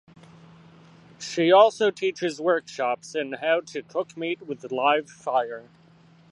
She also teaches workshops in how to cook meat with live fire.